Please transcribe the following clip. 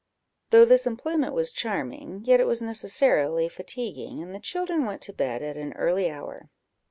Though this employment was charming, yet it was necessarily fatiguing, and the children went to bed at an early hour.